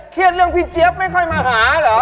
เรื่องพี่เจี๊ยบไม่ค่อยมาหาเหรอ